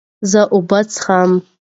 زه اوبه څښم.